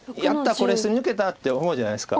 これすり抜けた」って思うじゃないですか。